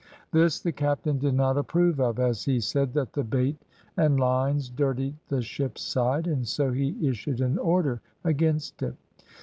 This the captain did not approve of, as he said that the bait and lines dirtied the ship's side, and so he issued an order against it.